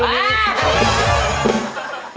โหียพี่